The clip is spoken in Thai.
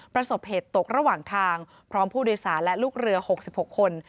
ประสบเหตุตกระหว่างทางพร้อมผู้โดยสารและลูกเรือ๖๖คน